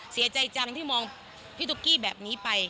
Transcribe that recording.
เสียใจจังที่มองพี่ตุ๊กกี้แบบนี้ไป